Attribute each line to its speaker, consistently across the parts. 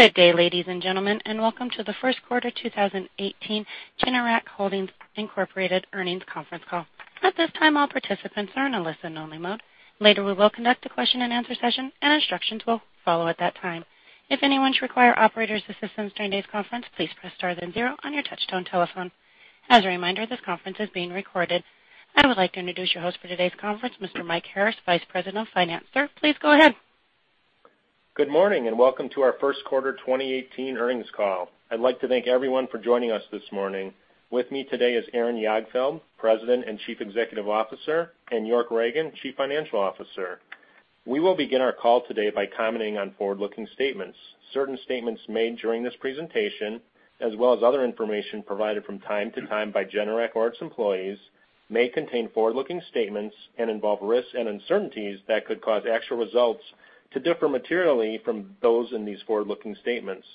Speaker 1: Good day, ladies and gentlemen, and welcome to the first quarter 2018 Generac Holdings Inc. Earnings conference call. At this time, all participants are in a listen only mode. Later, we will conduct a question and answer session, and instructions will follow at that time. If anyone should require operator's assistance during today's conference, please press star then zero on your touchtone telephone. As a reminder, this conference is being recorded. I would like to introduce your host for today's conference, Mr. Mike Harris, Vice President of Finance. Sir, please go ahead.
Speaker 2: Good morning, and welcome to our first quarter 2018 earnings call. I'd like to thank everyone for joining us this morning. With me today is Aaron Jagdfeld, President and Chief Executive Officer, and York Ragen, Chief Financial Officer. We will begin our call today by commenting on forward-looking statements. Certain statements made during this presentation, as well as other information provided from time to time by Generac or its employees, may contain forward-looking statements and involve risks and uncertainties that could cause actual results to differ materially from those in these forward-looking statements.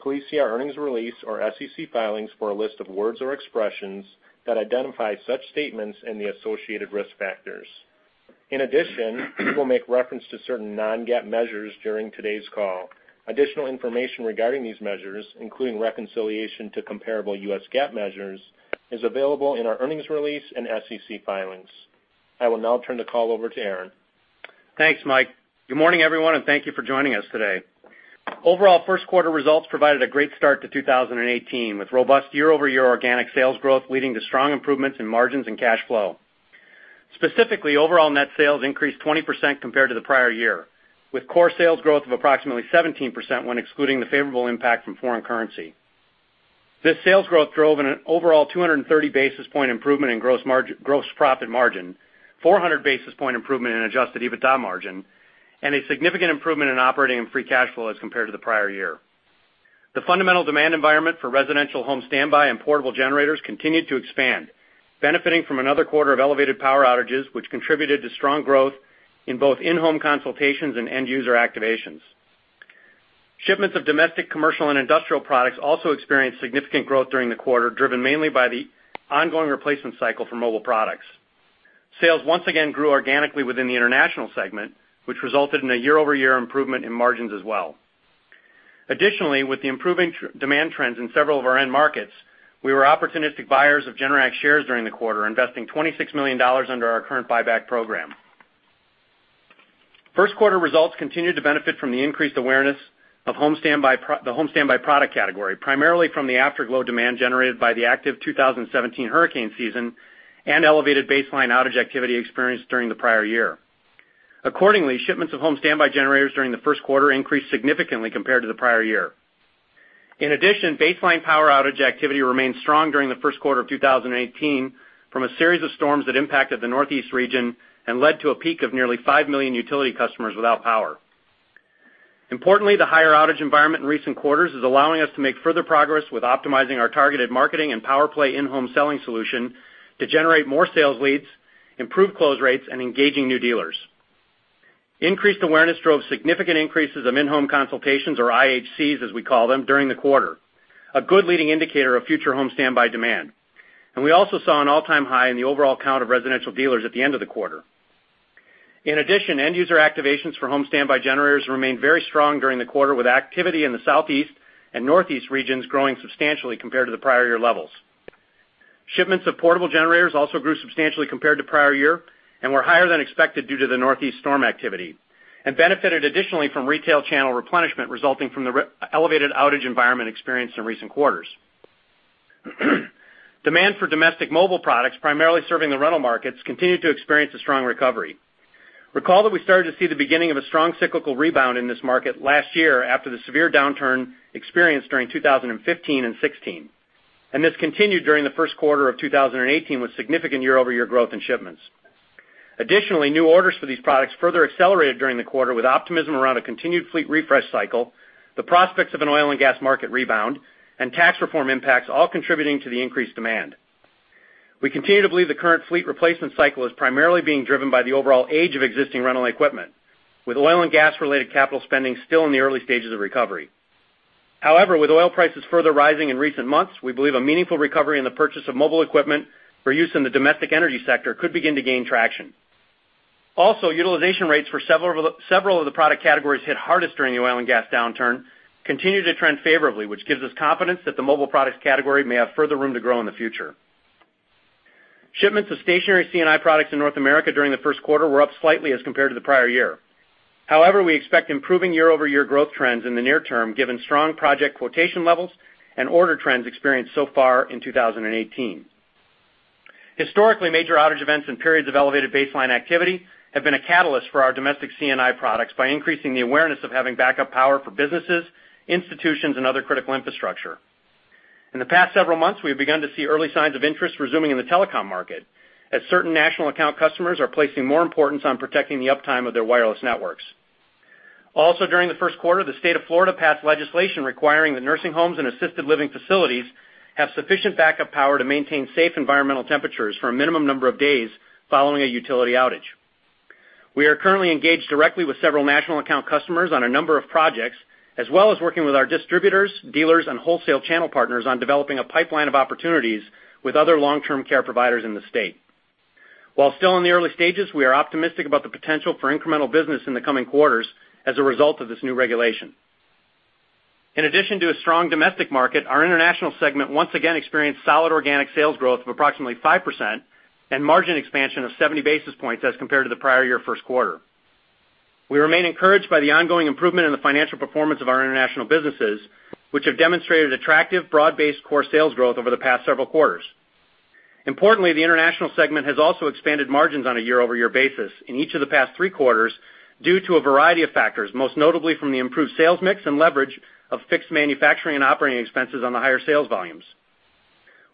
Speaker 2: Please see our earnings release or SEC filings for a list of words or expressions that identify such statements and the associated risk factors. In addition, we will make reference to certain non-GAAP measures during today's call. Additional information regarding these measures, including reconciliation to comparable U.S. GAAP measures, is available in our earnings release and SEC filings. I will now turn the call over to Aaron.
Speaker 3: Thanks, Mike. Good morning, everyone, and thank you for joining us today. Overall first quarter results provided a great start to 2018, with robust year-over-year organic sales growth leading to strong improvements in margins and cash flow. Specifically, overall net sales increased 20% compared to the prior year, with core sales growth of approximately 17% when excluding the favorable impact from foreign currency. This sales growth drove an overall 230 basis point improvement in gross profit margin, 400 basis point improvement in Adjusted EBITDA margin, and a significant improvement in operating and free cash flow as compared to the prior year. The fundamental demand environment for residential home standby generators and portable generators continued to expand, benefiting from another quarter of elevated power outages, which contributed to strong growth in both In-Home Consultations and end user activations. Shipments of domestic, commercial, and industrial products also experienced significant growth during the quarter, driven mainly by the ongoing replacement cycle for mobile products. Sales once again grew organically within the international segment, which resulted in a year-over-year improvement in margins as well. Additionally, with the improving demand trends in several of our end markets, we were opportunistic buyers of Generac shares during the quarter, investing $26 million under our current buyback program. First quarter results continued to benefit from the increased awareness of the home standby product category, primarily from the afterglow demand generated by the active 2017 hurricane season and elevated baseline outage activity experienced during the prior year. Accordingly, shipments of home standby generators during the first quarter increased significantly compared to the prior year. In addition, baseline power outage activity remained strong during the first quarter of 2018 from a series of storms that impacted the Northeast region and led to a peak of nearly five million utility customers without power. Importantly, the higher outage environment in recent quarters is allowing us to make further progress with optimizing our targeted marketing and PowerPlay in-home selling solution to generate more sales leads, improve close rates, and engaging new dealers. Increased awareness drove significant increases of in-home consultations, or IHCs as we call them, during the quarter, a good leading indicator of future home standby demand. We also saw an all-time high in the overall count of residential dealers at the end of the quarter. In addition, end user activations for home standby generators remained very strong during the quarter, with activity in the Southeast and Northeast regions growing substantially compared to the prior year levels. Shipments of portable generators also grew substantially compared to prior year and were higher than expected due to the Northeast storm activity and benefited additionally from retail channel replenishment resulting from the elevated outage environment experienced in recent quarters. Demand for domestic mobile products, primarily serving the rental markets, continued to experience a strong recovery. Recall that we started to see the beginning of a strong cyclical rebound in this market last year after the severe downturn experienced during 2015-2016, and this continued during the first quarter of 2018 with significant year-over-year growth in shipments. Additionally, new orders for these products further accelerated during the quarter with optimism around a continued fleet refresh cycle, the prospects of an oil and gas market rebound, and tax reform impacts all contributing to the increased demand. We continue to believe the current fleet replacement cycle is primarily being driven by the overall age of existing rental equipment, with oil and gas-related capital spending still in the early stages of recovery. However, with oil prices further rising in recent months, we believe a meaningful recovery in the purchase of mobile equipment for use in the domestic energy sector could begin to gain traction. Also, utilization rates for several of the product categories hit hardest during the oil and gas downturn continue to trend favorably, which gives us confidence that the mobile products category may have further room to grow in the future. Shipments of stationary C&I products in North America during the first quarter were up slightly as compared to the prior year. However, we expect improving year-over-year growth trends in the near term given strong project quotation levels and order trends experienced so far in 2018. Historically, major outage events and periods of elevated baseline activity have been a catalyst for our domestic C&I products by increasing the awareness of having backup power for businesses, institutions, and other critical infrastructure. In the past several months, we have begun to see early signs of interest resuming in the telecom market, as certain national account customers are placing more importance on protecting the uptime of their wireless networks. During the first quarter, the state of Florida passed legislation requiring that nursing homes and assisted living facilities have sufficient backup power to maintain safe environmental temperatures for a minimum number of days following a utility outage. We are currently engaged directly with several national account customers on a number of projects, as well as working with our distributors, dealers, and wholesale channel partners on developing a pipeline of opportunities with other long-term care providers in the state. While still in the early stages, we are optimistic about the potential for incremental business in the coming quarters as a result of this new regulation. In addition to a strong domestic market, our international segment once again experienced solid organic sales growth of approximately 5% and margin expansion of 70 basis points as compared to the prior year first quarter. We remain encouraged by the ongoing improvement in the financial performance of our international businesses, which have demonstrated attractive, broad-based core sales growth over the past several quarters. Importantly, the international segment has also expanded margins on a year-over-year basis in each of the past three quarters due to a variety of factors, most notably from the improved sales mix and leverage of fixed manufacturing and operating expenses on the higher sales volumes.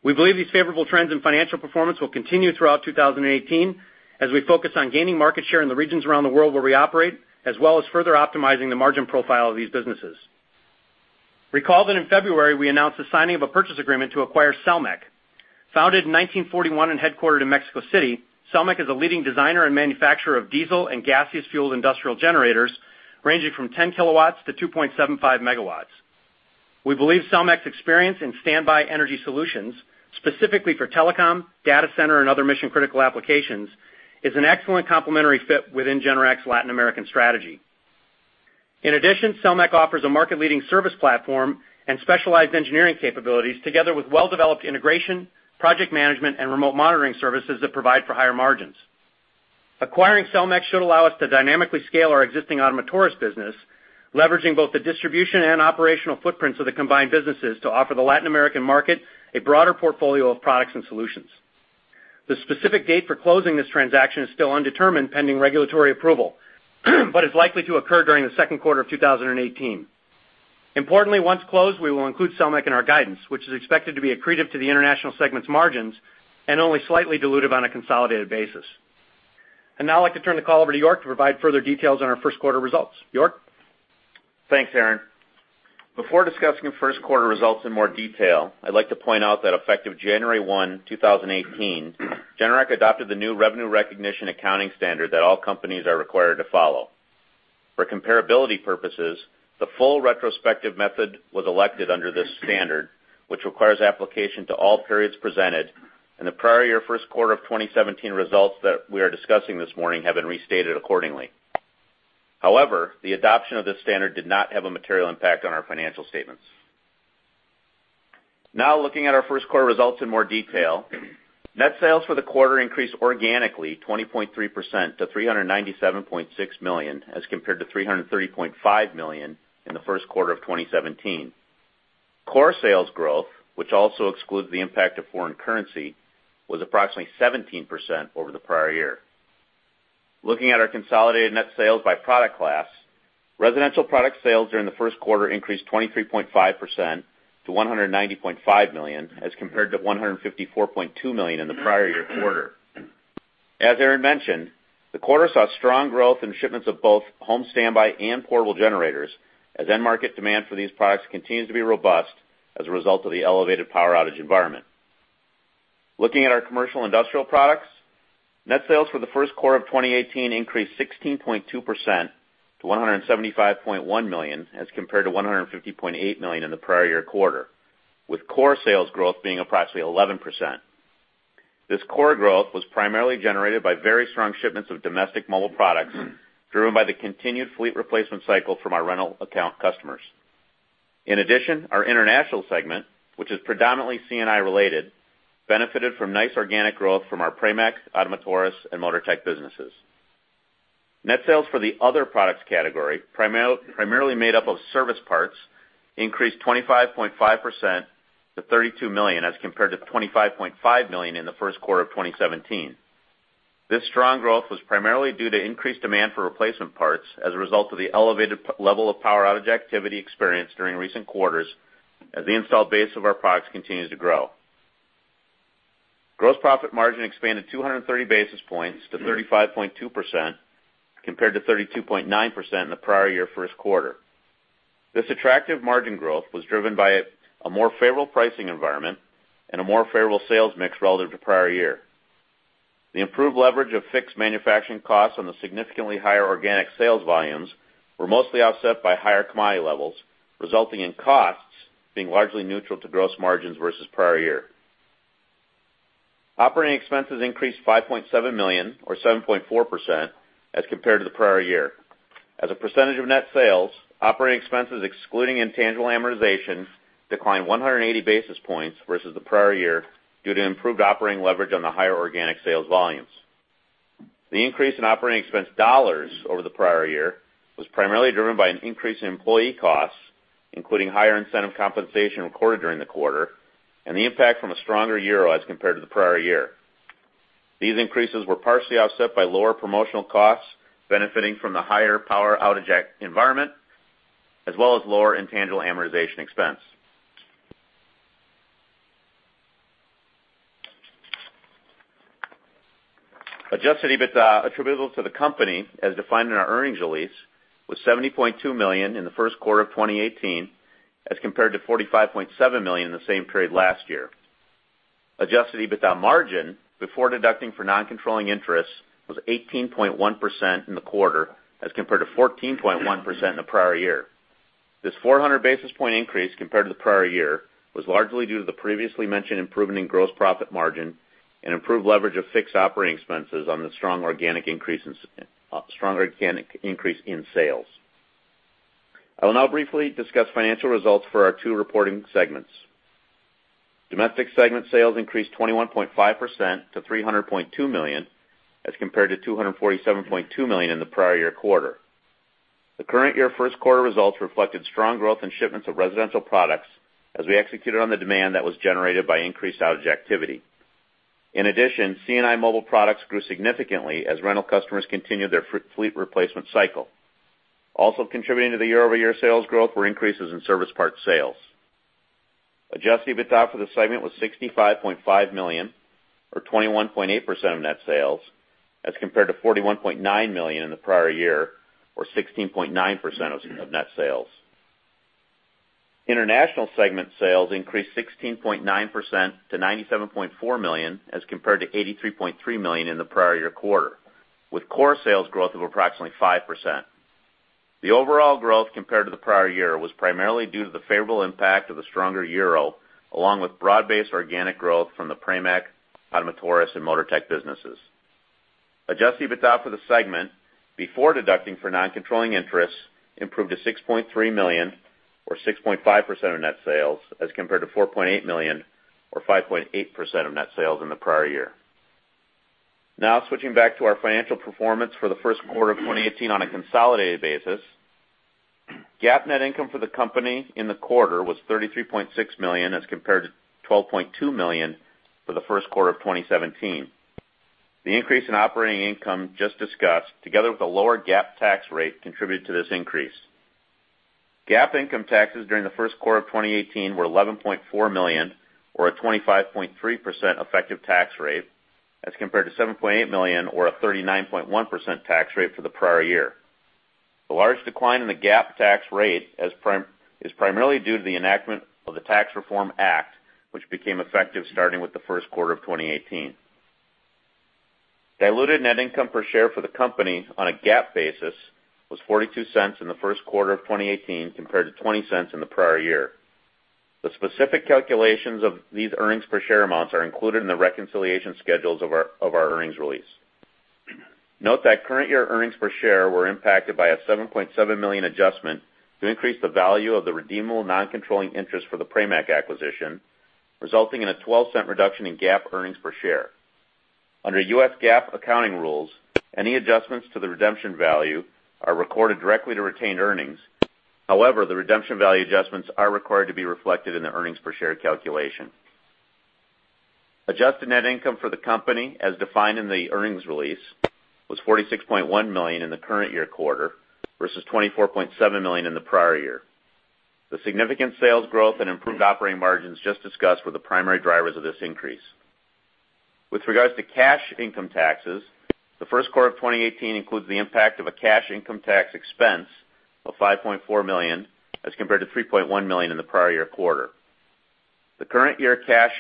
Speaker 3: We believe these favorable trends in financial performance will continue throughout 2018 as we focus on gaining market share in the regions around the world where we operate, as well as further optimizing the margin profile of these businesses. Recall that in February, we announced the signing of a purchase agreement to acquire Selmec. Founded in 1941 and headquartered in Mexico City, Selmec is a leading designer and manufacturer of diesel and gaseous-fueled industrial generators ranging from 10 kilowatts to 2.75 megawatts. We believe Selmec's experience in standby energy solutions, specifically for telecom, data center, and other mission-critical applications, is an excellent complementary fit within Generac's Latin American strategy. In addition, Selmec offers a market-leading service platform and specialized engineering capabilities together with well-developed integration, project management, and remote monitoring services that provide for higher margins . Acquiring Selmec should allow us to dynamically scale our existing Ottomotores business, leveraging both the distribution and operational footprints of the combined businesses to offer the Latin American market a broader portfolio of products and solutions. The specific date for closing this transaction is still undetermined pending regulatory approval, but is likely to occur during the second quarter of 2018. Importantly, once closed, we will include Selmec in our guidance, which is expected to be accretive to the international segment's margins and only slightly dilutive on a consolidated basis. I'd now like to turn the call over to York to provide further details on our first quarter results. York?
Speaker 4: Thanks, Aaron. Before discussing first quarter results in more detail, I'd like to point out that effective January 1, 2018, Generac adopted the new revenue recognition accounting standard that all companies are required to follow. For comparability purposes, the full retrospective method was elected under this standard, which requires application to all periods presented, and the prior year first quarter of 2017 results that we are discussing this morning have been restated accordingly. The adoption of this standard did not have a material impact on our financial statements. Looking at our first quarter results in more detail, net sales for the quarter increased organically 20.3% to $397.6 million as compared to $330.5 million in the first quarter of 2017. Core sales growth, which also excludes the impact of foreign currency, was approximately 17% over the prior year. Looking at our consolidated net sales by product class, residential product sales during the first quarter increased 23.5% to $190.5 million as compared to $154.2 million in the prior year quarter. As Aaron mentioned, the quarter saw strong growth in shipments of both home standby and portable generators as end market demand for these products continues to be robust as a result of the elevated power outage environment. Looking at our commercial industrial products, net sales for the first quarter of 2018 increased 16.2% to $175.1 million as compared to $150.8 million in the prior year quarter, with core sales growth being approximately 11%. This core growth was primarily generated by very strong shipments of domestic mobile products driven by the continued fleet replacement cycle from our rental account customers. Our international segment, which is predominantly C&I related, benefited from nice organic growth from our Pramac, Ottomotores, and Motortech businesses. Net sales for the other products category, primarily made up of service parts, increased 25.5% to $32 million as compared to $25.5 million in the first quarter of 2017. Strong growth was primarily due to increased demand for replacement parts as a result of the elevated level of power outage activity experienced during recent quarters as the install base of our products continues to grow. Gross profit margin expanded 230 basis points to 35.2%, compared to 32.9% in the prior year first quarter. Attractive margin growth was driven by a more favorable pricing environment and a more favorable sales mix relative to prior year. The improved leverage of fixed manufacturing costs on the significantly higher organic sales volumes were mostly offset by higher commodity levels, resulting in costs being largely neutral to gross margins versus prior year. Operating expenses increased $5.7 million or 7.4% as compared to the prior year. As a percentage of net sales, operating expenses excluding intangible amortization declined 180 basis points versus the prior year due to improved operating leverage on the higher organic sales volumes. The increase in operating expense dollars over the prior year was primarily driven by an increase in employee costs, including higher incentive compensation recorded during the quarter and the impact from a stronger euro as compared to the prior year. These increases were partially offset by lower promotional costs benefiting from the higher power outage environment, as well as lower intangible amortization expense. Adjusted EBITDA attributable to the company, as defined in our earnings release, was $70.2 million in the first quarter of 2018 as compared to $45.7 million in the same period last year. Adjusted EBITDA margin before deducting for non-controlling interests was 18.1% in the quarter as compared to 14.1% in the prior year. This 400 basis point increase compared to the prior year was largely due to the previously mentioned improvement in gross profit margin and improved leverage of fixed operating expenses on the strong organic increase in sales. I will now briefly discuss financial results for our two reporting segments. Domestic segment sales increased 21.5% to $300.2 million, as compared to $247.2 million in the prior year quarter. The current year first quarter results reflected strong growth in shipments of residential products as we executed on the demand that was generated by increased outage activity. In addition, C&I mobile products grew significantly as rental customers continued their fleet replacement cycle. Also contributing to the year-over-year sales growth were increases in service parts sales. Adjusted EBITDA for the segment was $65.5 million, or 21.8% of net sales, as compared to $41.9 million in the prior year, or 16.9% of net sales. International segment sales increased 16.9% to $97.4 million, as compared to $83.3 million in the prior year quarter, with core sales growth of approximately 5%. The overall growth compared to the prior year was primarily due to the favorable impact of the stronger euro, along with broad-based organic growth from the Pramac, Ottomotores, and Motortech businesses. Adjusted EBITDA for the segment before deducting for non-controlling interests improved to $6.3 million, or 6.5% of net sales, as compared to $4.8 million, or 5.8% of net sales in the prior year. Now switching back to our financial performance for the first quarter of 2018 on a consolidated basis. GAAP net income for the company in the quarter was $33.6 million, as compared to $12.2 million for the first quarter of 2017. The increase in operating income just discussed, together with a lower GAAP tax rate, contributed to this increase. GAAP income taxes during the first quarter of 2018 were $11.4 million, or a 25.3% effective tax rate, as compared to $7.8 million, or a 39.1% tax rate for the prior year. The large decline in the GAAP tax rate is primarily due to the enactment of the Tax Reform Act, which became effective starting with the first quarter of 2018. Diluted net income per share for the company on a GAAP basis was $0.42 in the first quarter of 2018, compared to $0.20 in the prior year. The specific calculations of these earnings per share amounts are included in the reconciliation schedules of our earnings release. Note that current year earnings per share were impacted by a $7.7 million adjustment to increase the value of the redeemable non-controlling interest for the Pramac acquisition, resulting in a $0.12 reduction in GAAP earnings per share. Under U.S. GAAP accounting rules, any adjustments to the redemption value are recorded directly to retained earnings. However, the redemption value adjustments are required to be reflected in the earnings per share calculation. Adjusted net income for the company, as defined in the earnings release, was $46.1 million in the current year quarter versus $24.7 million in the prior year. The significant sales growth and improved operating margins just discussed were the primary drivers of this increase. With regards to cash income taxes, the first quarter of 2018 includes the impact of a cash income tax expense of $5.4 million, as compared to $3.1 million in the prior year quarter. The current year cash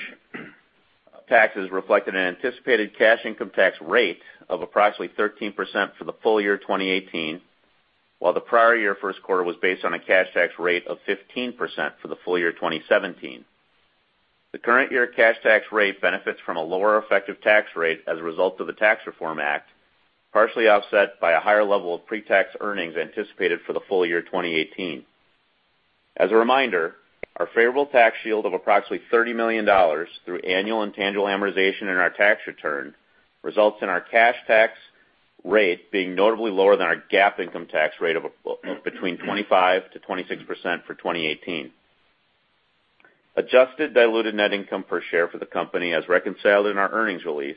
Speaker 4: taxes reflected an anticipated cash income tax rate of approximately 13% for the full year 2018, while the prior year first quarter was based on a cash tax rate of 15% for the full year 2017. The current year cash tax rate benefits from a lower effective tax rate as a result of the Tax Reform Act, partially offset by a higher level of pre-tax earnings anticipated for the full year 2018. As a reminder, our favorable tax shield of approximately $30 million through annual intangible amortization in our tax return results in our cash tax rate being notably lower than our GAAP income tax rate of between 25%-26% for 2018. Adjusted diluted net income per share for the company, as reconciled in our earnings release,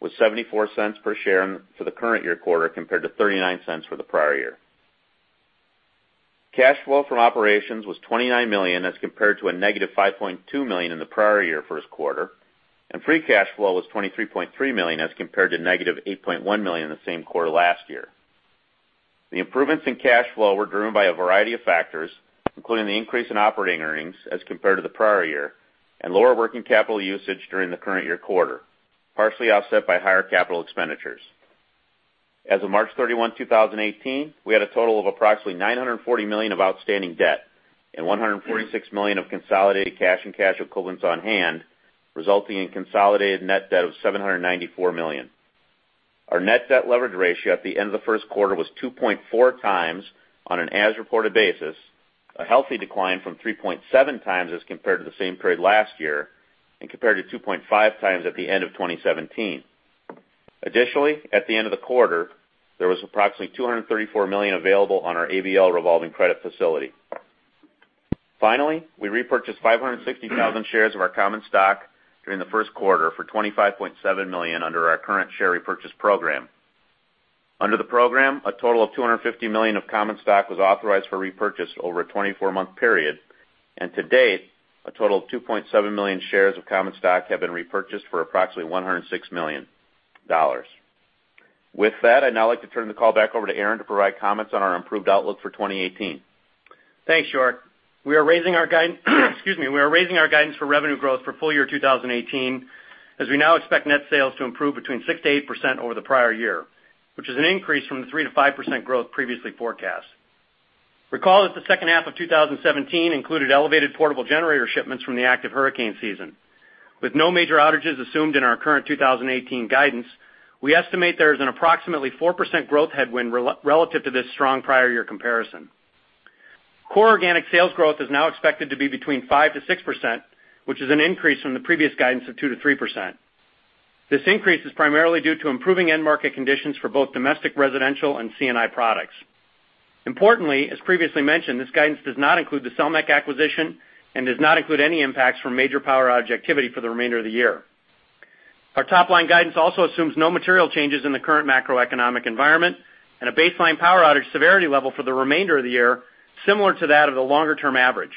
Speaker 4: was $0.74 per share for the current year quarter compared to $0.39 for the prior year. Cash flow from operations was $29 million as compared to a negative $5.2 million in the prior year first quarter, and free cash flow was $23.3 million as compared to negative $8.1 million in the same quarter last year. The improvements in cash flow were driven by a variety of factors, including the increase in operating earnings as compared to the prior year and lower working capital usage during the current year quarter, partially offset by higher capital expenditures. As of March 31, 2018, we had a total of approximately $940 million of outstanding debt and $146 million of consolidated cash and cash equivalents on hand, resulting in consolidated net debt of $794 million. Our net debt leverage ratio at the end of the first quarter was 2.4 times on an as-reported basis, a healthy decline from 3.7 times as compared to the same period last year and compared to 2.5 times at the end of 2017. Additionally, at the end of the quarter, there was approximately $234 million available on our ABL revolving credit facility. Finally, we repurchased 560,000 shares of our common stock during the first quarter for $25.7 million under our current share repurchase program. Under the program, a total of $250 million of common stock was authorized for repurchase over a 24-month period, and to date, a total of 2.7 million shares of common stock have been repurchased for approximately $106 million. With that, I'd now like to turn the call back over to Aaron to provide comments on our improved outlook for 2018.
Speaker 3: Thanks, York. We are raising our guidance for revenue growth for full year 2018. As we now expect net sales to improve between 6%-8% over the prior year, which is an increase from the 3%-5% growth previously forecast. Recall that the second half of 2017 included elevated portable generator shipments from the active hurricane season. With no major outages assumed in our current 2018 guidance, we estimate there is an approximately 4% growth headwind relative to this strong prior year comparison. Core organic sales growth is now expected to be between 5%-6%, which is an increase from the previous guidance of 2%-3%. This increase is primarily due to improving end market conditions for both domestic, residential, and C&I products. Importantly, as previously mentioned, this guidance does not include the Selmec acquisition and does not include any impacts from major power outage activity for the remainder of the year. Our top-line guidance also assumes no material changes in the current macroeconomic environment and a baseline power outage severity level for the remainder of the year similar to that of the longer-term average.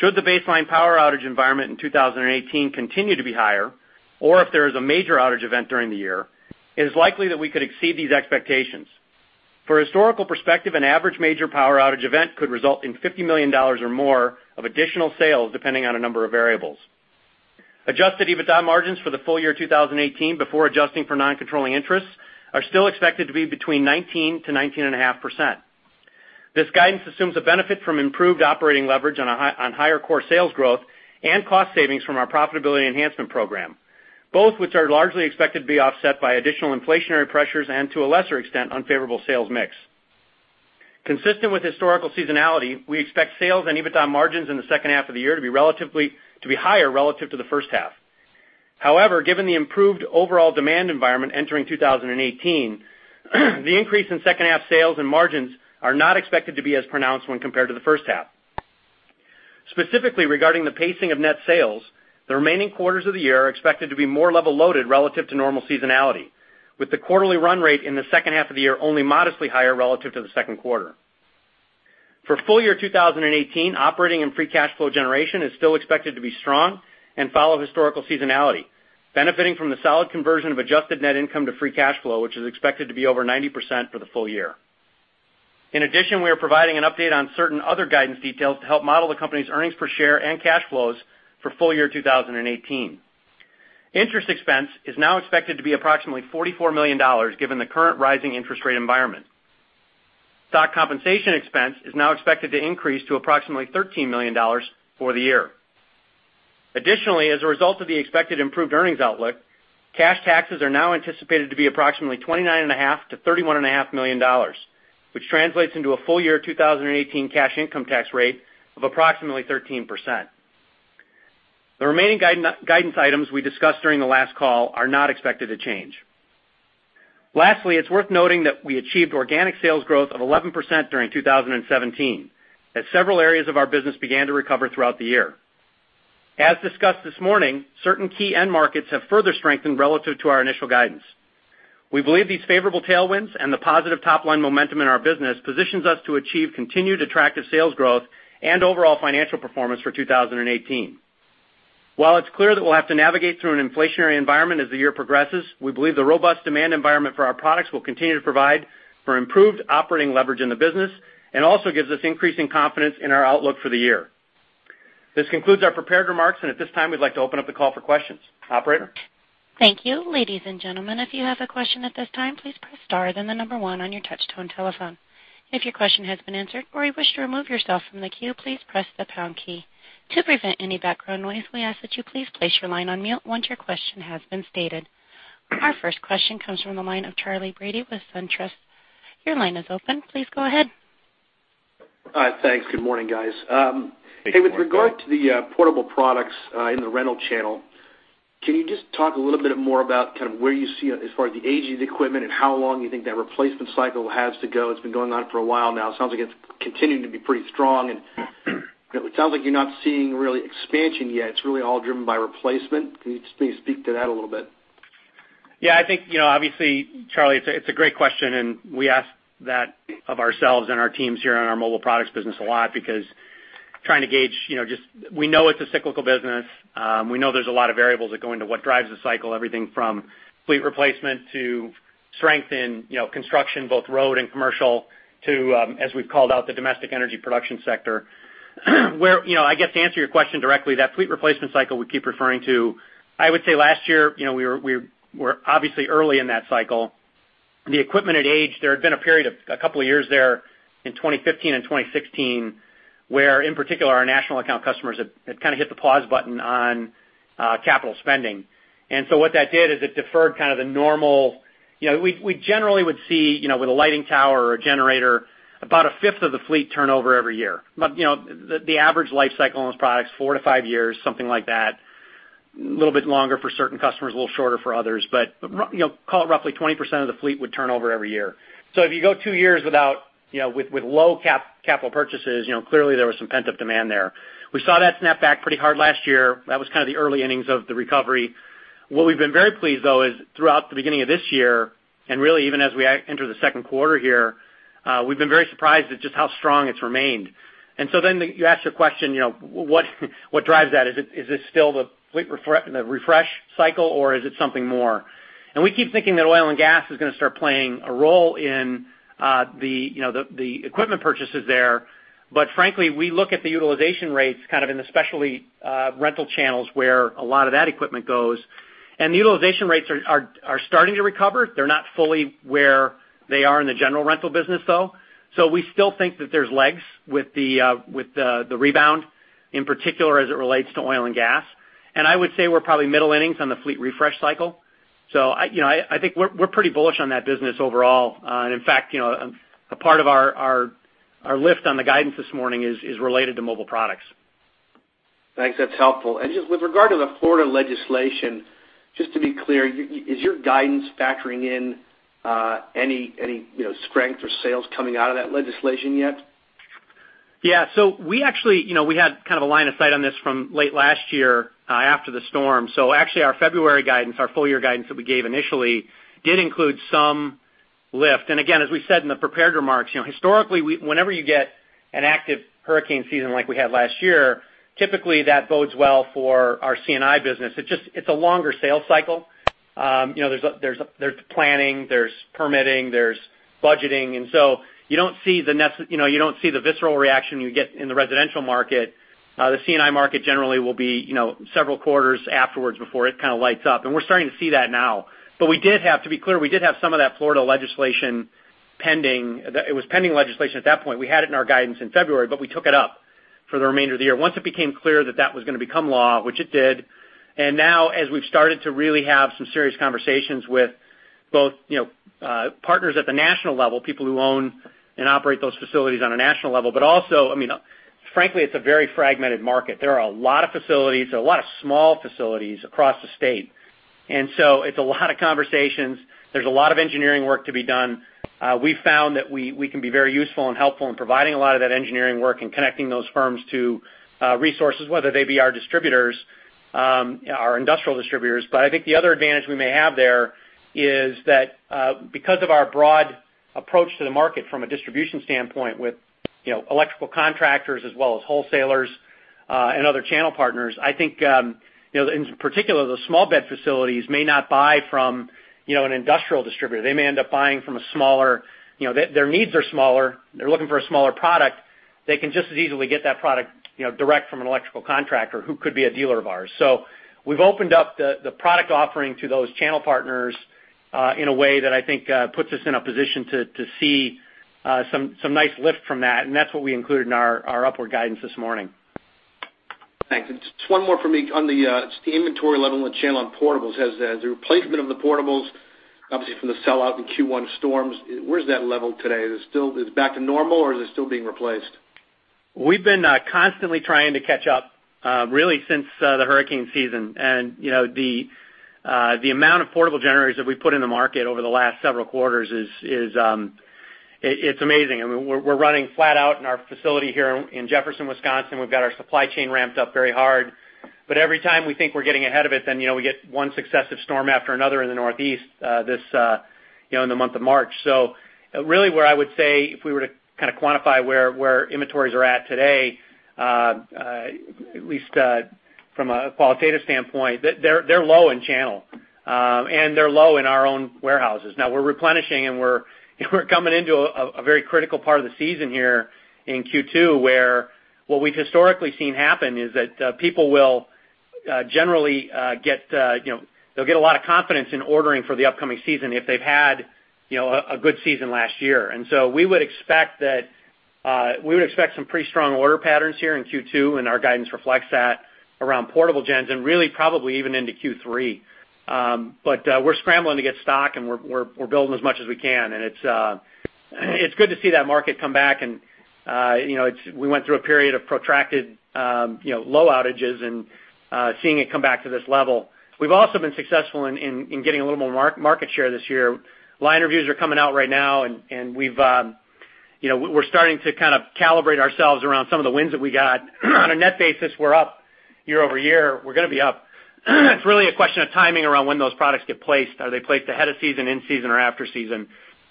Speaker 3: Should the baseline power outage environment in 2018 continue to be higher, or if there is a major outage event during the year, it is likely that we could exceed these expectations. For historical perspective, an average major power outage event could result in $50 million or more of additional sales, depending on a number of variables. Adjusted EBITDA margins for the full year 2018, before adjusting for non-controlling interests, are still expected to be between 19%-19.5%. This guidance assumes a benefit from improved operating leverage on higher core sales growth and cost savings from our profitability enhancement program, both which are largely expected to be offset by additional inflationary pressures and to a lesser extent, unfavorable sales mix. Consistent with historical seasonality, we expect sales and EBITDA margins in the second half of the year to be higher relative to the first half. However, given the improved overall demand environment entering 2018, the increase in second half sales and margins are not expected to be as pronounced when compared to the first half. Specifically regarding the pacing of net sales, the remaining quarters of the year are expected to be more level loaded relative to normal seasonality, with the quarterly run rate in the second half of the year only modestly higher relative to the second quarter. For full year 2018, operating and free cash flow generation is still expected to be strong and follow historical seasonality, benefiting from the solid conversion of adjusted net income to free cash flow, which is expected to be over 90% for the full year. In addition, we are providing an update on certain other guidance details to help model the company's earnings per share and cash flows for full year 2018. Interest expense is now expected to be approximately $44 million, given the current rising interest rate environment. Stock compensation expense is now expected to increase to approximately $13 million for the year. Additionally, as a result of the expected improved earnings outlook, cash taxes are now anticipated to be approximately $29.5 million-$31.5 million, which translates into a full year 2018 cash income tax rate of approximately 13%. The remaining guidance items we discussed during the last call are not expected to change. Lastly, it's worth noting that we achieved organic sales growth of 11% during 2017, as several areas of our business began to recover throughout the year. As discussed this morning, certain key end markets have further strengthened relative to our initial guidance. We believe these favorable tailwinds and the positive top-line momentum in our business positions us to achieve continued attractive sales growth and overall financial performance for 2018. While it's clear that we'll have to navigate through an inflationary environment as the year progresses, we believe the robust demand environment for our products will continue to provide for improved operating leverage in the business and also gives us increasing confidence in our outlook for the year. This concludes our prepared remarks, and at this time, we'd like to open up the call for questions. Operator?
Speaker 1: Thank you. Ladies and gentlemen, if you have a question at this time, please press star, then the number 1 on your touch-tone telephone. If your question has been answered or you wish to remove yourself from the queue, please press the pound key. To prevent any background noise, we ask that you please place your line on mute once your question has been stated. Our first question comes from the line of Charlie Brady with SunTrust. Your line is open. Please go ahead.
Speaker 5: Hi. Thanks. Good morning, guys.
Speaker 3: Thank you.
Speaker 5: Hey, with regard to the portable products in the rental channel, can you just talk a little bit more about where you see, as far as the age of the equipment and how long you think that replacement cycle has to go? It's been going on for a while now. It sounds like it's continuing to be pretty strong, and it sounds like you're not seeing really expansion yet. It's really all driven by replacement. Can you just maybe speak to that a little bit?
Speaker 3: Yeah. I think, obviously, Charlie, it's a great question, and we ask that of ourselves and our teams here on our mobile products business a lot because trying to gauge just we know it's a cyclical business. We know there's a lot of variables that go into what drives the cycle, everything from fleet replacement to strength in construction, both road and commercial, to, as we've called out, the domestic energy production sector. I guess to answer your question directly, that fleet replacement cycle we keep referring to, I would say last year we were obviously early in that cycle. The equipment at age, there had been a period of a couple of years there in 2015 and 2016 where, in particular, our national account customers had kind of hit the pause button on capital spending. What that did is it deferred kind of the normal. We generally would see with a lighting tower or a generator, about a fifth of the fleet turnover every year. The average life cycle on those products, four to five years, something like that. A little bit longer for certain customers, a little shorter for others. Call it roughly 20% of the fleet would turn over every year. If you go two years with low capital purchases, clearly there was some pent-up demand there. We saw that snap back pretty hard last year. That was kind of the early innings of the recovery. What we've been very pleased, though, is throughout the beginning of this year and really even as we enter the second quarter here, we've been very surprised at just how strong it's remained. Then you ask your question, what drives that? Is this still the fleet refresh cycle, or is it something more? We keep thinking that oil and gas is going to start playing a role in the equipment purchases there. Frankly, we look at the utilization rates in the specialty rental channels where a lot of that equipment goes, and the utilization rates are starting to recover. They're not fully where they are in the general rental business, though. We still think that there's legs with the rebound, in particular as it relates to oil and gas. I would say we're probably middle innings on the fleet refresh cycle. I think we're pretty bullish on that business overall. In fact, a part of our lift on the guidance this morning is related to mobile products.
Speaker 5: Thanks. That's helpful. Just with regard to the Florida legislation, just to be clear, is your guidance factoring in any strength or sales coming out of that legislation yet?
Speaker 3: We had kind of a line of sight on this from late last year after the storm. Actually, our February guidance, our full-year guidance that we gave initially, did include some lift. Again, as we said in the prepared remarks, historically, whenever you get an active hurricane season like we had last year, typically that bodes well for our C&I business. It's a longer sales cycle. There's planning, there's permitting, there's budgeting, and so you don't see the visceral reaction you get in the residential market. The C&I market generally will be several quarters afterwards before it kind of lights up, and we're starting to see that now. To be clear, we did have some of that Florida legislation pending. It was pending legislation at that point. We had it in our guidance in February, we took it up for the remainder of the year. Once it became clear that that was going to become law, which it did, now as we've started to really have some serious conversations with both partners at the national level, people who own and operate those facilities on a national level. Also, frankly, it's a very fragmented market. There are a lot of facilities, a lot of small facilities across the state, so it's a lot of conversations. There's a lot of engineering work to be done. We've found that we can be very useful and helpful in providing a lot of that engineering work and connecting those firms to resources, whether they be our distributors, our industrial distributors. I think the other advantage we may have there is that because of our broad approach to the market from a distribution standpoint with electrical contractors as well as wholesalers and other channel partners, I think, in particular, the small bed facilities may not buy from an industrial distributor. Their needs are smaller. They're looking for a smaller product. They can just as easily get that product direct from an electrical contractor who could be a dealer of ours. We've opened up the product offering to those channel partners in a way that I think puts us in a position to see some nice lift from that's what we included in our upward guidance this morning.
Speaker 5: Thanks. Just one more from me on the inventory level and the channel on portable generators. Has the replacement of the portable generators, obviously from the sell-out in Q1 storms, where's that level today? Is it back to normal, or is it still being replaced?
Speaker 3: We've been constantly trying to catch up, really since the hurricane season. The amount of portable generators that we put in the market over the last several quarters is amazing. We're running flat out in our facility here in Jefferson, Wisconsin. We've got our supply chain ramped up very hard. Every time we think we're getting ahead of it, then we get one successive storm after another in the Northeast in the month of March. Really what I would say if we were to kind of quantify where inventories are at today, at least from a qualitative standpoint, they're low in channel, and they're low in our own warehouses. Now we're replenishing, and we're coming into a very critical part of the season here in Q2, where what we've historically seen happen is that people will get a lot of confidence in ordering for the upcoming season if they've had a good season last year. We would expect some pretty strong order patterns here in Q2, and our guidance reflects that around portable gens and really probably even into Q3. We're scrambling to get stock, and we're building as much as we can, and it's good to see that market come back, and we went through a period of protracted low outages and seeing it come back to this level. We've also been successful in getting a little more market share this year. Line reviews are coming out right now, and we're starting to kind of calibrate ourselves around some of the wins that we got. On a net basis, we're up year-over-year. We're going to be up. It's really a question of timing around when those products get placed. Are they placed ahead of season, in season, or after season?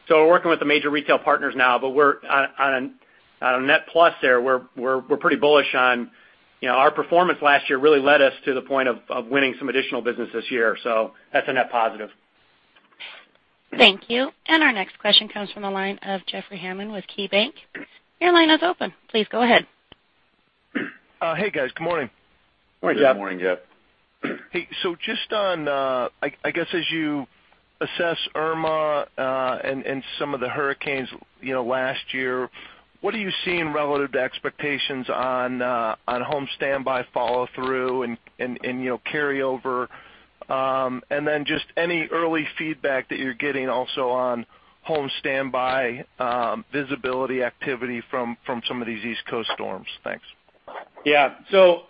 Speaker 3: We're working with the major retail partners now, but we're on a net plus there. We're pretty bullish on our performance last year really led us to the point of winning some additional business this year. That's a net positive.
Speaker 1: Thank you. Our next question comes from the line of Jeffrey Hammond with KeyBanc Capital Markets. Your line is open. Please go ahead.
Speaker 6: Hey, guys. Good morning.
Speaker 3: Morning, Jeff.
Speaker 4: Good morning, Jeff.
Speaker 6: I guess as you assess Hurricane Irma and some of the hurricanes last year, what are you seeing relative to expectations on home standby follow-through and carryover? Just any early feedback that you're getting also on home standby visibility activity from some of these East Coast storms. Thanks.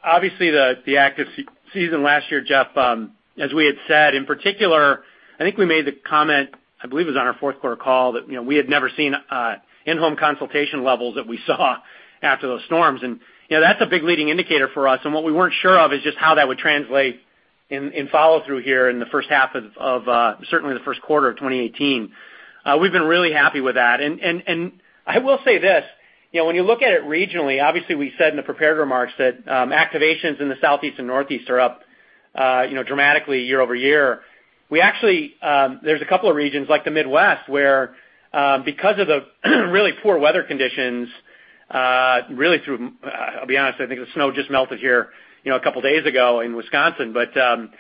Speaker 3: Obviously, the active season last year, Jeff, as we had said, in particular, I think we made the comment, I believe it was on our fourth quarter call, that we had never seen in-home consultation levels that we saw after those storms. That's a big leading indicator for us, and what we weren't sure of is just how that would translate in follow-through here in the first half of certainly the first quarter of 2018. We've been really happy with that. I will say this, when you look at it regionally, obviously we said in the prepared remarks that activations in the Southeast and Northeast are up dramatically year-over-year. There's a couple of regions like the Midwest, where, because of the really poor weather conditions, really through, I'll be honest, I think the snow just melted here a couple of days ago in Wisconsin. The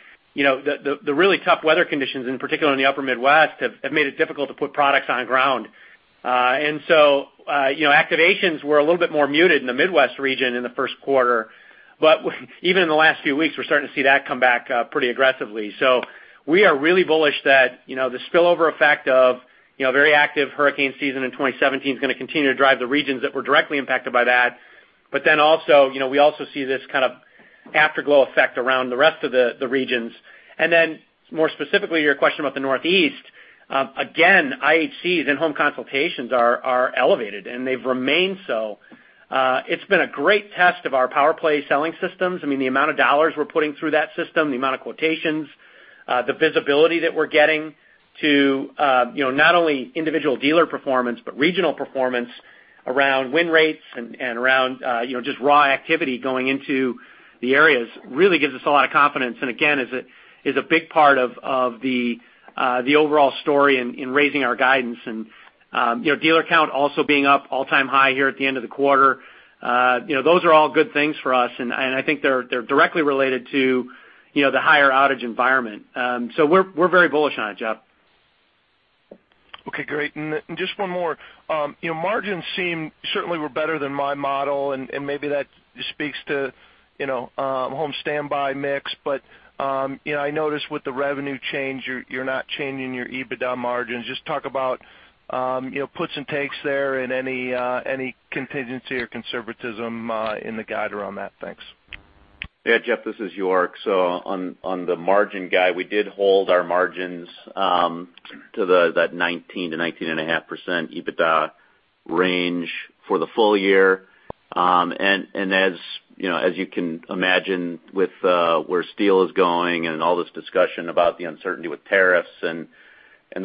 Speaker 3: really tough weather conditions, in particular in the upper Midwest, have made it difficult to put products on ground. Activations were a little bit more muted in the Midwest region in the first quarter. Even in the last few weeks, we're starting to see that come back pretty aggressively. We are really bullish that the spillover effect of very active hurricane season in 2017 is going to continue to drive the regions that were directly impacted by that. We also see this kind of afterglow effect around the rest of the regions. More specifically, your question about the Northeast. Again, IHCs and home consultations are elevated, and they've remained so. It's been a great test of our PowerPlay selling systems. I mean, the amount of dollars we're putting through that system, the amount of quotations, the visibility that we're getting to, not only individual dealer performance, but regional performance around win rates and around just raw activity going into the areas, really gives us a lot of confidence, and again, is a big part of the overall story in raising our guidance. Dealer count also being up all-time-high here at the end of the quarter. Those are all good things for us, and I think they're directly related to the higher outage environment. We're very bullish on it, Jeff.
Speaker 6: Okay, great. Just one more. Margins certainly were better than my model, and maybe that speaks to home standby mix. I noticed with the revenue change, you're not changing your EBITDA margins. Just talk about puts and takes there and any contingency or conservatism in the guide around that. Thanks.
Speaker 4: Yeah, Jeff, this is York. On the margin guide, we did hold our margins to that 19%-19.5% EBITDA range for the full year. As you can imagine with where steel is going and all this discussion about the uncertainty with tariffs and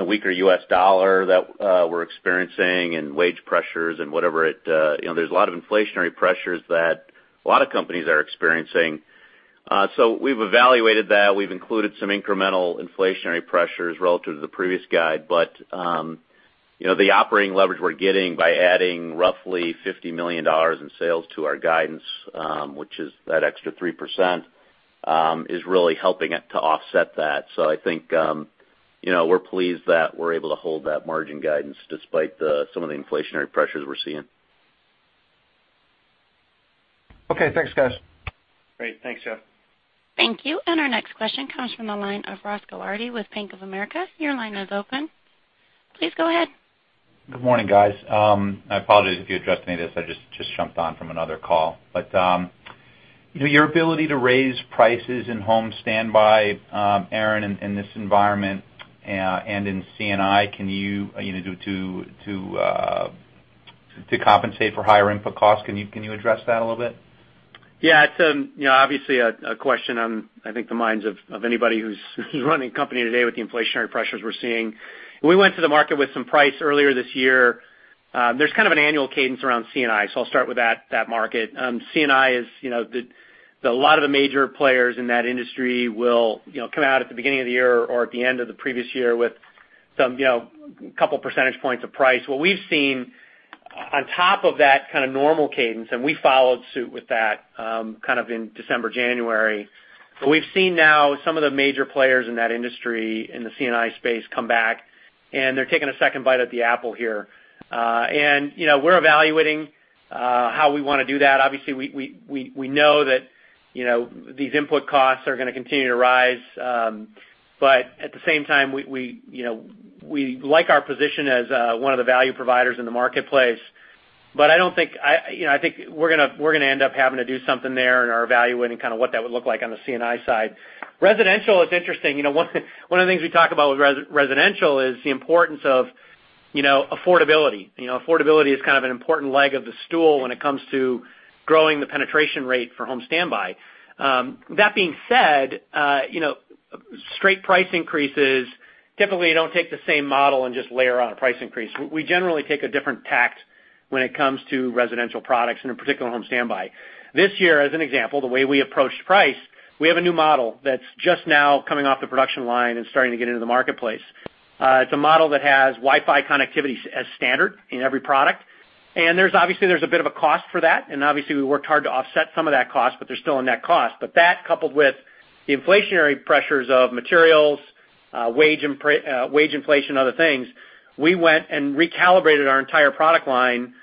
Speaker 4: the weaker U.S. dollar that we're experiencing and wage pressures and whatever, there's a lot of inflationary pressures that a lot of companies are experiencing. We've evaluated that. We've included some incremental inflationary pressures relative to the previous guide. The operating leverage we're getting by adding roughly $50 million in sales to our guidance, which is that extra 3%, is really helping it to offset that. I think we're pleased that we're able to hold that margin guidance despite some of the inflationary pressures we're seeing.
Speaker 6: Okay, thanks, guys.
Speaker 3: Great. Thanks, Jeff.
Speaker 1: Thank you. Our next question comes from the line of Ross Gilardi with Bank of America. Your line is open. Please go ahead.
Speaker 7: Good morning, guys. I apologize if you addressed any of this. I just jumped on from another call. Your ability to raise prices in home standby, Aaron, in this environment and in C&I to compensate for higher input costs. Can you address that a little bit?
Speaker 3: It's obviously a question on, I think, the minds of anybody who's running a company today with the inflationary pressures we're seeing. We went to the market with some price earlier this year. There's kind of an annual cadence around C&I, so I'll start with that market. C&I is, a lot of the major players in that industry will come out at the beginning of the year or at the end of the previous year with some couple percentage points of price. What we've seen on top of that kind of normal cadence, and we followed suit with that kind of in December, January. We've seen now some of the major players in that industry, in the C&I space, come back, and they're taking a second bite at the apple here. We're evaluating how we want to do that. Obviously, we know that these input costs are going to continue to rise. At the same time, we like our position as one of the value providers in the marketplace. I think we're going to end up having to do something there and are evaluating what that would look like on the C&I side. Residential is interesting. One of the things we talk about with residential is the importance of affordability. Affordability is kind of an important leg of the stool when it comes to growing the penetration rate for home standby. That being said, straight price increases typically don't take the same model and just layer on a price increase. We generally take a different tact when it comes to residential products and in particular, home standby. This year, as an example, the way we approached price, we have a new model that's just now coming off the production line and starting to get into the marketplace. It's a model that has Wi-Fi connectivity as standard in every product. Obviously there's a bit of a cost for that, and obviously we worked hard to offset some of that cost, but there's still a net cost. That, coupled with the inflationary pressures of materials, wage inflation, and other things, we went and recalibrated our entire product line,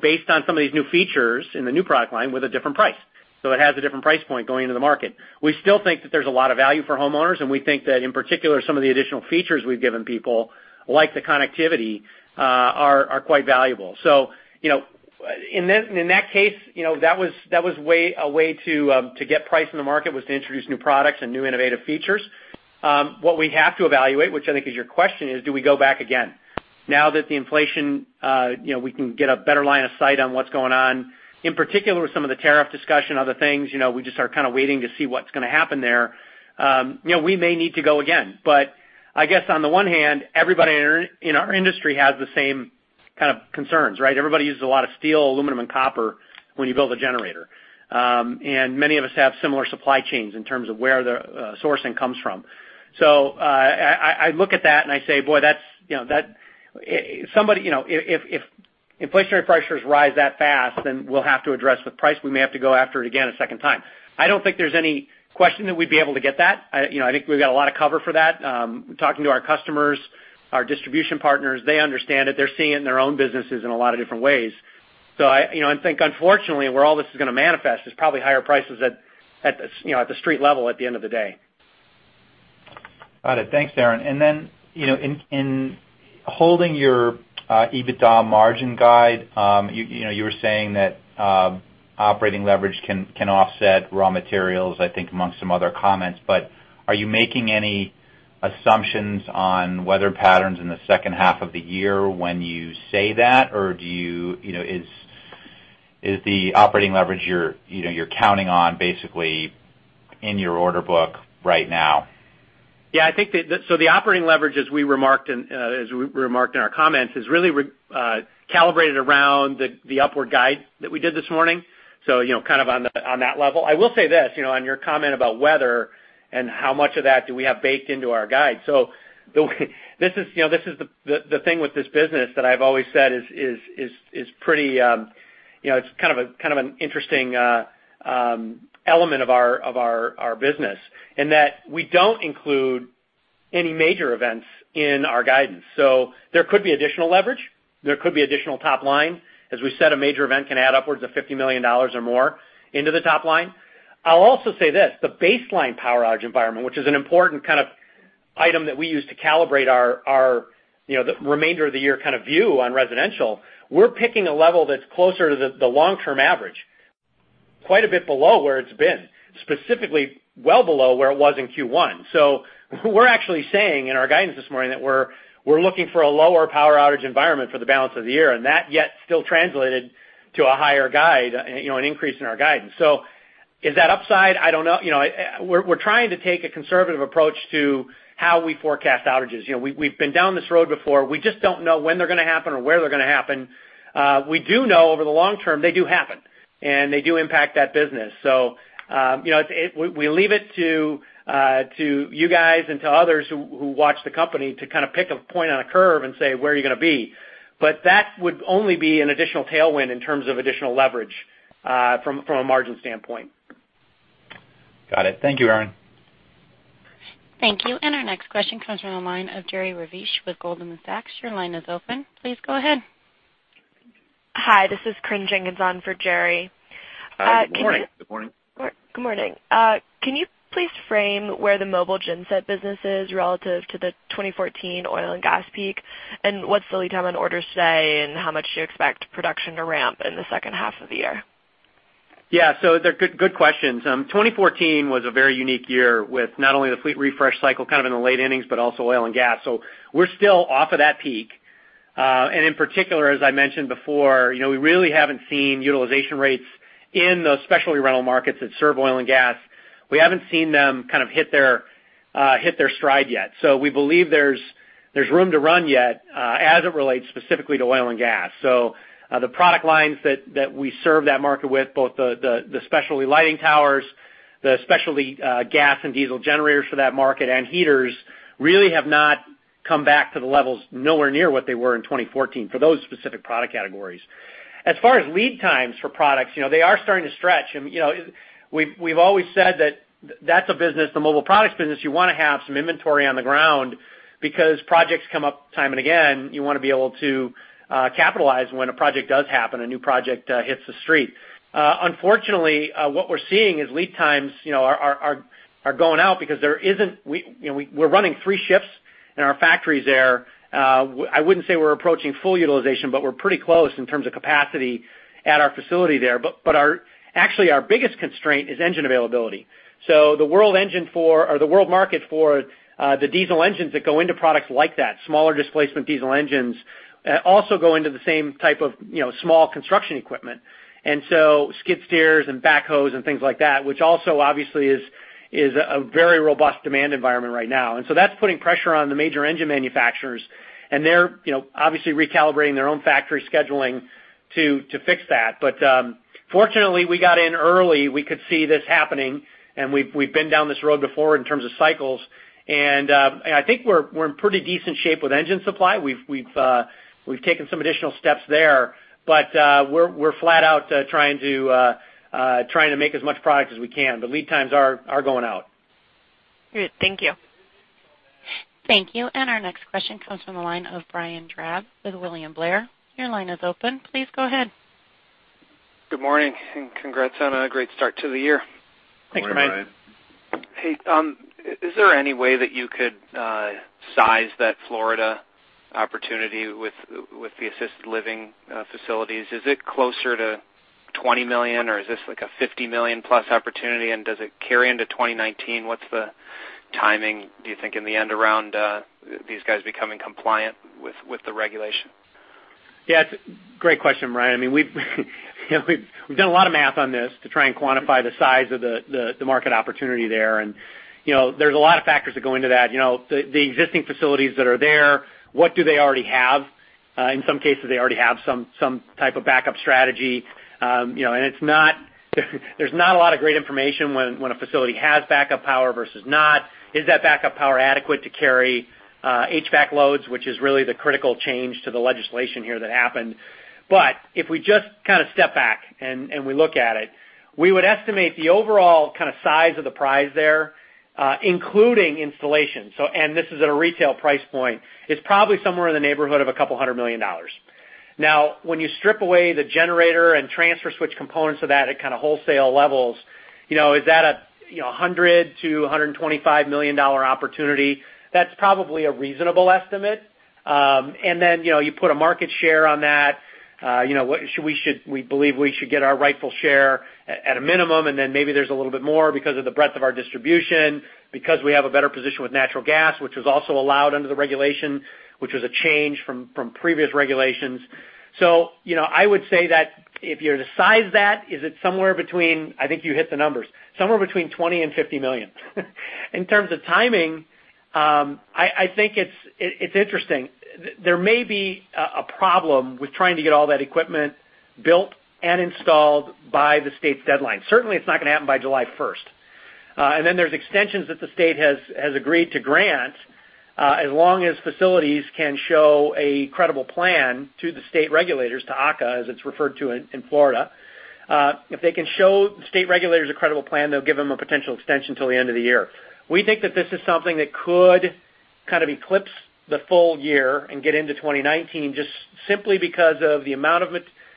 Speaker 3: based on some of these new features in the new product line with a different price. It has a different price point going into the market. We still think that there's a lot of value for homeowners, and we think that in particular, some of the additional features we've given people, like the connectivity, are quite valuable. In that case, that was a way to get price in the market, was to introduce new products and new innovative features. What we have to evaluate, which I think is your question, is do we go back again? Now that the inflation, we can get a better line of sight on what's going on, in particular with some of the tariff discussion, other things, we just are kind of waiting to see what's going to happen there. We may need to go again. I guess on the one hand, everybody in our industry has the same kind of concerns, right? Everybody uses a lot of steel, aluminum, and copper when you build a generator. Many of us have similar supply chains in terms of where their sourcing comes from. I look at that and I say, boy, if inflationary pressures rise that fast, then we'll have to address the price. We may have to go after it again a second time. I don't think there's any question that we'd be able to get that. I think we've got a lot of cover for that. Talking to our customers, our distribution partners, they understand it. They're seeing it in their own businesses in a lot of different ways. I think unfortunately, where all this is going to manifest is probably higher prices at the street level at the end of the day.
Speaker 7: Got it. Thanks, Aaron. In holding your EBITDA margin guide you were saying that operating leverage can offset raw materials, I think amongst some other comments. Are you making any assumptions on weather patterns in the second half of the year when you say that? Is the operating leverage you're counting on basically in your order book right now?
Speaker 3: The operating leverage as we remarked in our comments, is really calibrated around the upward guide that we did this morning. On that level. I will say this, on your comment about weather and how much of that do we have baked into our guide. The thing with this business that I've always said is it's kind of an interesting element of our business in that we don't include any major events in our guidance. There could be additional leverage, there could be additional top line. As we said, a major event can add upwards of $50 million or more into the top line. I'll also say this, the baseline power outage environment, which is an important kind of item that we use to calibrate the remainder of the year kind of view on residential. We're picking a level that's closer to the long-term average, quite a bit below where it's been, specifically well below where it was in Q1. We're actually saying in our guidance this morning that we're looking for a lower power outage environment for the balance of the year, and that yet still translated to a higher guide, an increase in our guidance. Is that upside? I don't know. We're trying to take a conservative approach to how we forecast outages. We've been down this road before. We just don't know when they're going to happen or where they're going to happen. We do know over the long term they do happen, and they do impact that business. We leave it to you guys and to others who watch the company to kind of pick a point on a curve and say, where are you going to be? That would only be an additional tailwind in terms of additional leverage from a margin standpoint.
Speaker 7: Got it. Thank you, Aaron.
Speaker 1: Thank you. Our next question comes from the line of Jerry Revich with Goldman Sachs. Your line is open. Please go ahead.
Speaker 8: Hi, this is Corinne Jenkins on for Jerry.
Speaker 3: Hi. Good morning.
Speaker 8: Good morning. Can you please frame where the mobile genset business is relative to the 2014 oil and gas peak? What's the lead time on orders today, and how much do you expect production to ramp in the second half of the year?
Speaker 3: Yeah. They're good questions. 2014 was a very unique year with not only the fleet refresh cycle kind of in the late innings, but also oil and gas. We're still off of that peak. In particular, as I mentioned before, we really haven't seen utilization rates in the specialty rental markets that serve oil and gas. We haven't seen them kind of hit their stride yet. We believe there's room to run yet as it relates specifically to oil and gas. The product lines that we serve that market with, both the specialty lighting towers, the specialty gas and diesel generators for that market, and heaters, really have not come back to the levels nowhere near what they were in 2014 for those specific product categories. As far as lead times for products, they are starting to stretch. We've always said that that's a business, the mobile products business, you want to have some inventory on the ground because projects come up time and again. You want to be able to capitalize when a project does happen, a new project hits the street. Unfortunately, what we're seeing is lead times are going out because we're running three shifts in our factories there. I wouldn't say we're approaching full utilization, but we're pretty close in terms of capacity at our facility there. Actually, our biggest constraint is engine availability. The world market for the diesel engines that go into products like that, smaller displacement diesel engines, also go into the same type of small construction equipment. Skid steers and backhoes and things like that, which also obviously is a very robust demand environment right now. That's putting pressure on the major engine manufacturers, and they're obviously recalibrating their own factory scheduling to fix that. Fortunately, we got in early. We could see this happening, and we've been down this road before in terms of cycles. I think we're in pretty decent shape with engine supply. We've taken some additional steps there. We're flat out trying to make as much product as we can. Lead times are going out.
Speaker 8: Great. Thank you.
Speaker 1: Thank you. Our next question comes from the line of Brian Drab with William Blair. Your line is open. Please go ahead.
Speaker 9: Good morning, congrats on a great start to the year.
Speaker 3: Thanks, Brian.
Speaker 4: Good morning, Brian.
Speaker 9: Hey, is there any way that you could size that Florida opportunity with the assisted living facilities? Is it closer to $20 million or is this like a $50 million-plus opportunity, and does it carry into 2019? What's the timing, do you think, in the end around these guys becoming compliant with the regulation?
Speaker 3: Yeah. It's a great question, Brian. We've done a lot of math on this to try and quantify the size of the market opportunity there. There's a lot of factors that go into that. The existing facilities that are there, what do they already have? In some cases, they already have some type of backup strategy. There's not a lot of great information when a facility has backup power versus not. Is that backup power adequate to carry HVAC loads, which is really the critical change to the legislation here that happened. If we just step back and we look at it, we would estimate the overall size of the prize there, including installation. This is at a retail price point, it's probably somewhere in the neighborhood of a couple hundred million dollars. Now, when you strip away the generator and transfer switch components of that at wholesale levels, is that a $100 million-$125 million opportunity? That's probably a reasonable estimate. Then, you put a market share on that. We believe we should get our rightful share at a minimum, and then maybe there's a little bit more because of the breadth of our distribution, because we have a better position with natural gas, which was also allowed under the regulation, which was a change from previous regulations. I would say that if you're to size that, is it somewhere between, I think you hit the numbers, somewhere between $20 million and $50 million. In terms of timing, I think it's interesting. There may be a problem with trying to get all that equipment built and installed by the state's deadline. Certainly, it's not going to happen by July 1st. Then there's extensions that the state has agreed to grant, as long as facilities can show a credible plan to the state regulators, to AHCA, as it's referred to in Florida. If they can show state regulators a credible plan, they'll give them a potential extension till the end of the year. We think that this is something that could eclipse the full year and get into 2019 just simply because of the amount of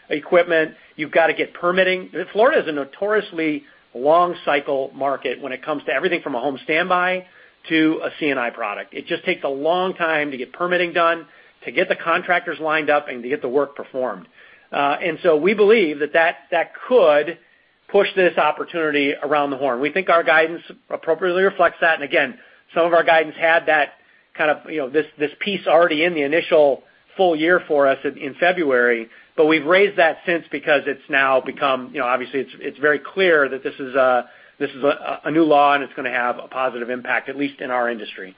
Speaker 3: equipment. You've got to get permitting. Florida is a notoriously long cycle market when it comes to everything from a home standby to a C&I product. It just takes a long time to get permitting done, to get the contractors lined up, and to get the work performed. We believe that could push this opportunity around the horn. We think our guidance appropriately reflects that. Again, some of our guidance had this piece already in the initial full year for us in February. We've raised that since because it's now become obviously very clear that this is a new law, and it's going to have a positive impact, at least in our industry.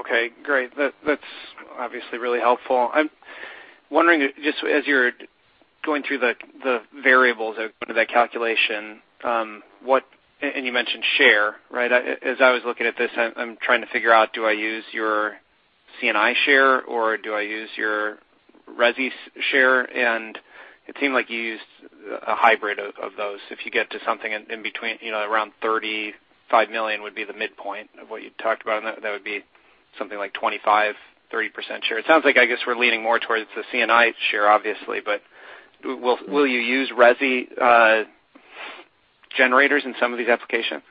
Speaker 9: Okay, great. That's obviously really helpful. I'm wondering, just as you're going through the variables of that calculation, you mentioned share. As I was looking at this, I'm trying to figure out, do I use your C&I share or do I use your resi share? It seemed like you used a hybrid of those. If you get to something in between, around $35 million would be the midpoint of what you talked about, and that would be something like 25%-30% share. It sounds like, I guess, we're leaning more towards the C&I share, obviously, will you use resi generators in some of these applications?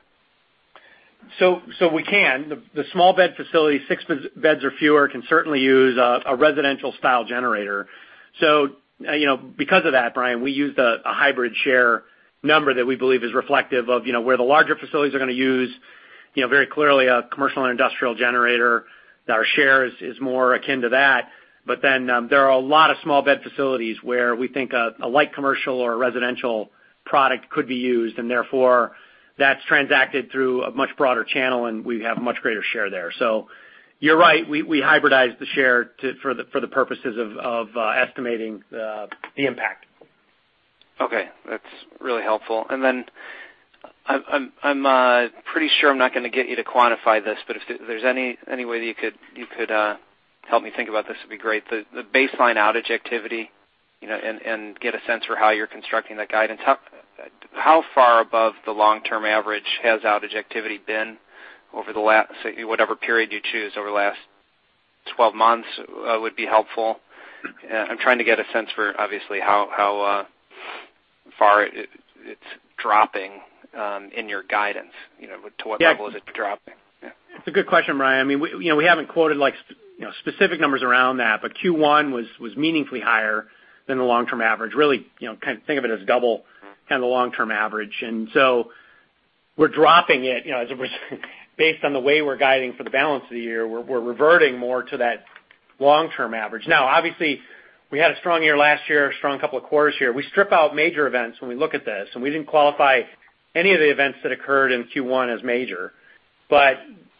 Speaker 3: We can. The small bed facility, six beds or fewer, can certainly use a residential style generator. Because of that, Brian, we used a hybrid share number that we believe is reflective of where the larger facilities are going to use very clearly a commercial and industrial generator. Our share is more akin to that. There are a lot of small bed facilities where we think a light commercial or residential product could be used, therefore that's transacted through a much broader channel, we have much greater share there. You're right, we hybridize the share for the purposes of estimating the impact.
Speaker 9: Okay. That's really helpful. I'm pretty sure I'm not going to get you to quantify this, if there's any way that you could help me think about this, it'd be great. The baseline outage activity, get a sense for how you're constructing that guidance. How far above the long-term average has outage activity been over whatever period you choose, over the last 12 months would be helpful. I'm trying to get a sense for obviously how far it's dropping in your guidance. To what level is it dropping?
Speaker 3: It's a good question, Brian. We haven't quoted specific numbers around that, but Q1 was meaningfully higher than the long-term average. Really, think of it as double the long-term average. We're dropping it based on the way we're guiding for the balance of the year. We're reverting more to that long-term average. Obviously, we had a strong year last year, a strong couple of quarters here. We strip out major events when we look at this, and we didn't qualify any of the events that occurred in Q1 as major.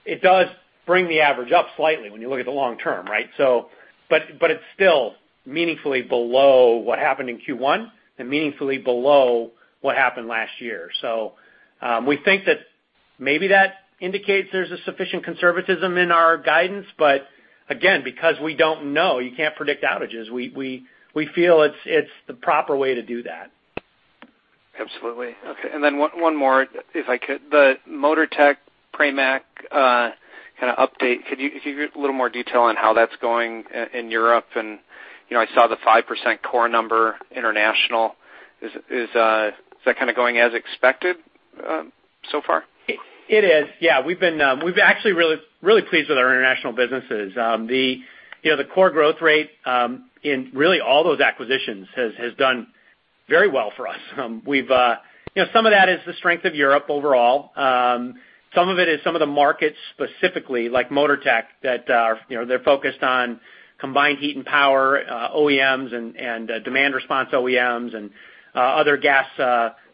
Speaker 3: It does bring the average up slightly when you look at the long-term. It's still meaningfully below what happened in Q1 and meaningfully below what happened last year. We think that maybe that indicates there's a sufficient conservatism in our guidance. Again, because we don't know, you can't predict outages. We feel it's the proper way to do that.
Speaker 9: Absolutely. Okay. One more if I could. The Motortech, Pramac update. Could you give a little more detail on how that's going in Europe? I saw the 5% core number international. Is that going as expected so far?
Speaker 3: It is. We've actually really pleased with our international businesses. The core growth rate in really all those acquisitions has done very well for us. Some of that is the strength of Europe overall. Some of it is some of the markets specifically, like Motortech, that they're focused on combined heat and power, OEMs, demand response OEMs, and other gas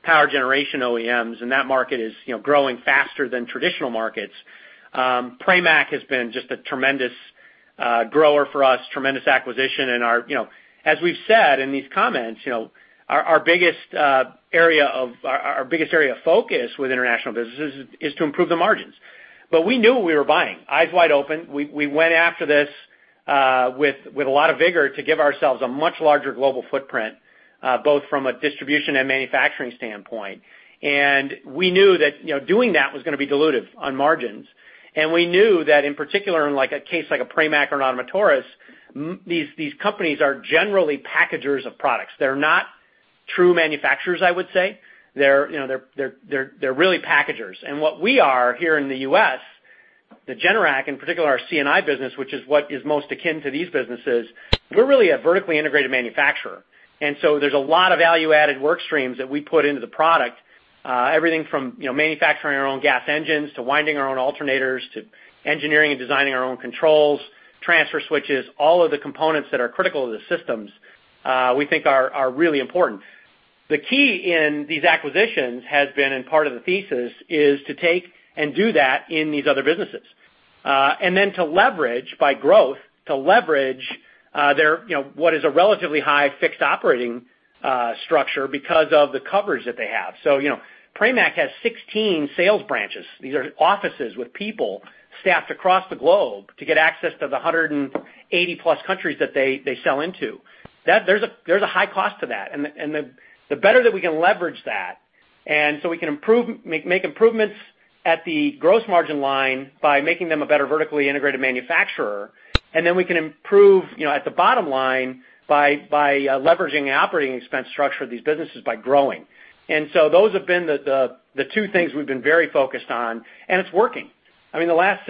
Speaker 3: power generation OEMs, and that market is growing faster than traditional markets. Pramac has been just a tremendous grower for us, tremendous acquisition. As we've said in these comments, our biggest area of focus with international businesses is to improve the margins. We knew what we were buying, eyes wide open. We went after this with a lot of vigor to give ourselves a much larger global footprint both from a distribution and manufacturing standpoint. We knew that doing that was going to be dilutive on margins. We knew that in particular, in a case like a Pramac or an Ottomotores, these companies are generally packagers of products. They're not true manufacturers, I would say. They're really packagers. What we are here in the U.S., the Generac, in particular our C&I business, which is what is most akin to these businesses, we're really a vertically integrated manufacturer. There's a lot of value-added work streams that we put into the product. Everything from manufacturing our own gas engines, to winding our own alternators, to engineering and designing our own controls, transfer switches, all of the components that are critical to the systems we think are really important. The key in these acquisitions has been, part of the thesis, is to take and do that in these other businesses. To leverage by growth, to leverage what is a relatively high fixed operating structure because of the coverage that they have. Pramac has 16 sales branches. These are offices with people staffed across the globe to get access to the 180-plus countries that they sell into. There's a high cost to that. The better that we can leverage that, we can make improvements at the gross margin line by making them a better vertically integrated manufacturer, we can improve at the bottom line by leveraging the operating expense structure of these businesses by growing. Those have been the two things we've been very focused on, and it's working. I mean, the last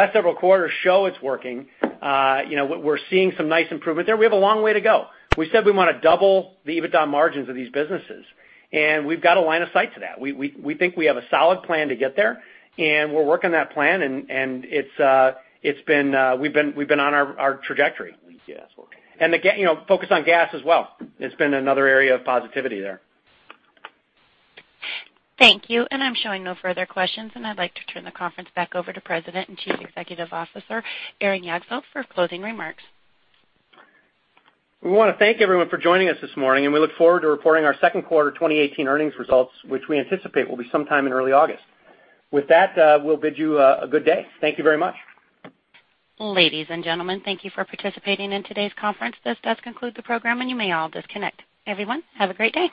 Speaker 3: several quarters show it's working. We're seeing some nice improvement there. We have a long way to go. We said we want to double the EBITDA margins of these businesses, we've got a line of sight to that. We think we have a solid plan to get there, we're working that plan, we've been on our trajectory.
Speaker 1: Yes. Okay.
Speaker 3: focus on gas as well. It's been another area of positivity there.
Speaker 1: Thank you. I'm showing no further questions, and I'd like to turn the conference back over to President and Chief Executive Officer, Aaron Jagdfeld, for closing remarks.
Speaker 3: We want to thank everyone for joining us this morning, and we look forward to reporting our second quarter 2018 earnings results, which we anticipate will be sometime in early August. With that, we'll bid you a good day. Thank you very much.
Speaker 1: Ladies and gentlemen, thank you for participating in today's conference. This does conclude the program, and you may all disconnect. Everyone, have a great day.